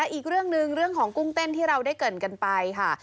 อีกเรื่องหนึ่งเรื่องของกุ้งเต้นที่เราได้เกิดกันไปค่ะ